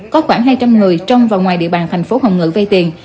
có khoảng hai trăm linh người trong và ngoài địa bàn tp hồng ngự vai tiền